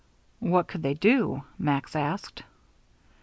"What could they do?" Max asked.